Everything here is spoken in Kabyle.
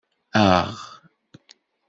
Aɣ!